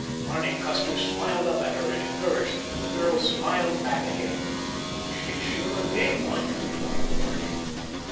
Barney Custer smiled up at her in encouragement, and the girl smiled back at him. "She's sure a game one," thought Barney.